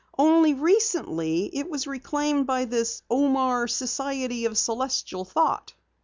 Only recently it was reclaimed by this Omar Society of Celestial Thought."